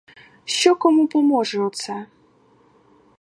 Що кому поможе оце?